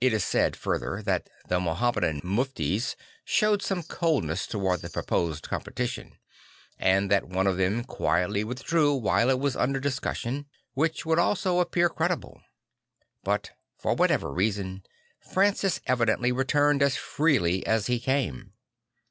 I t is said further that the Mahomedan muftis showed some coldness towards the proposed competition, and that one of them quietly \vithdrew while it was under discussion; which would also appear credible. But for whatever reason Francis evidently returned as freely as he came.